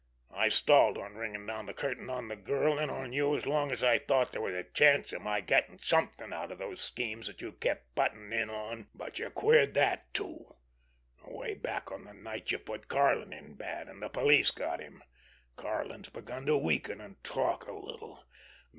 I stalled on ringing down the curtain on the girl and on you as long as I thought there was a chance of my getting something out of those schemes that you kept butting in on. But you queered that, too, away back on the night you put Karlin in bad, and the police got him. Karlin's begun to weaken and talk a little.